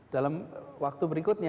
dalam waktu berikutnya